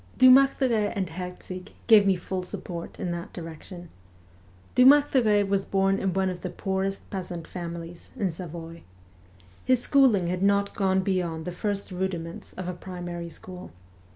Dumartheray and Herzig gave me full support in that direction. Dumartheray was born in one of the poorest peasant families in Savoy. His schooling had not gone beyond the first rudiments of a primary school.